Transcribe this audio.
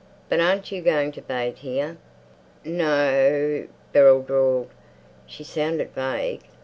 But aren't you going to bathe here?" "No o," Beryl drawled. She sounded vague.